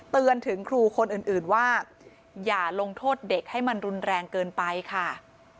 เตือนถึงครูคนอื่นว่าอย่าลงโทษเด็กให้มันรุนแรงเกินไปค่ะ